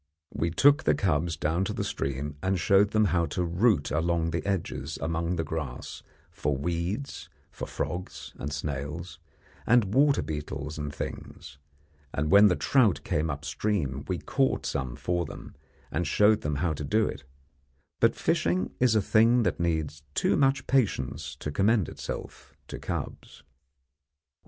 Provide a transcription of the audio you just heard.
We took the cubs down to the stream and showed them how to root along the edges among the grass and weeds for frogs and snails, and water beetles and things, and when the trout came upstream we caught some for them, and showed them how to do it; but fishing is a thing that needs too much patience to commend itself to cubs.